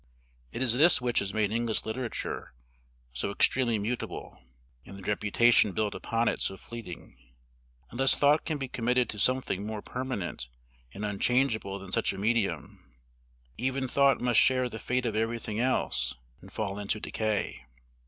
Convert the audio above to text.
It is this which has made English literature so extremely mutable, and the reputation built upon it so fleeting. Unless thought can be committed to something more permanent and unchangeable than such a medium, even thought must share the fate of everything else, and fall into decay.